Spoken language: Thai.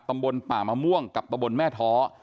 ตำบลป่ามะม่วงกับตำบลแม่ท้อ